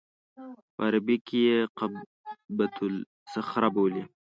په عربي کې یې قبة الصخره بولي.